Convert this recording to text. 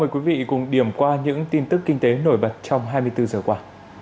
quý vị cùng điểm qua những tin tức kinh tế nổi bật trong hai mươi bốn h qua